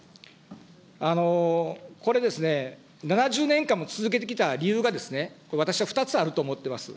これですね、７０年間も続けてきた理由がですね、これ私は２つあると思っています。